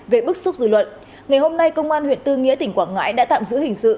gây bức xúc dư luận ngày hôm nay công an huyện tư nghĩa tỉnh quảng ngãi đã tạm giữ hình sự